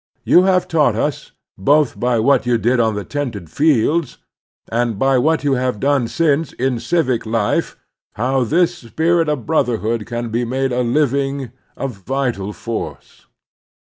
You have taught us both by what you did on the tented fields, and by what you have «. done since in civic life, how this spirit of brother hood can be made a living, a vital force.